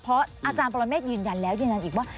เพราะอาจารย์ปรเมฆยืนยันแล้วยืนยันอีกว่า